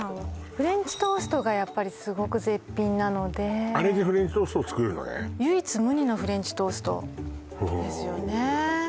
フレンチトーストがやっぱりすごく絶品なのであれでフレンチトースト作るのね唯一無二のフレンチトーストですよね